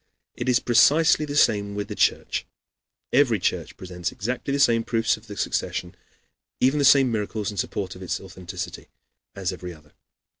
It is precisely the same with the Church. Every church presents exactly the same proofs of the succession, and even the same miracles, in support of its authenticity, as every other.